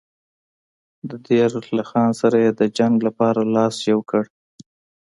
د دیر له خان سره یې د جنګ لپاره لاس یو کړ.